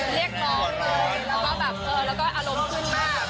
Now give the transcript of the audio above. เรียกล้องก็แบบเออแล้วก็อารมณ์ขึ้นมาก